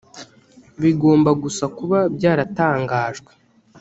bigomba gusa kuba byaratangajwe